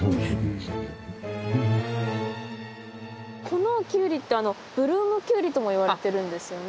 このキュウリってブルームキュウリともいわれてるんですよね？